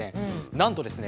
なんとですね